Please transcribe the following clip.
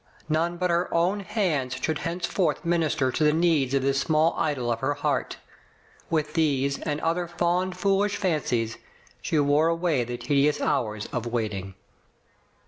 None but her own hands should hence forth minister to the needs of this small idol of her heart. With these and other fond foolish 233 Digitized by Google CLO. GRAVES, 233 fancies, she wore away the tedious hours of waiting.